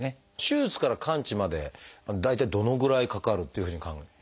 手術から完治まで大体どのぐらいかかるっていうふうに？